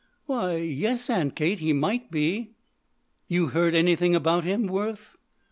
"Why yes, Aunt Kate, he might be." "You heard anything about him, Worth?"